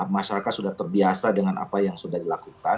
masyarakat sudah terbiasa dengan apa yang sudah dilakukan